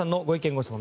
・ご質問